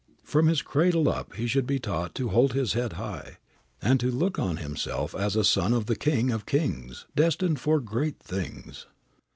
From his cradle up he should be taught to hold his head high, and to look on himself as a son of the King of kings, destined for great things.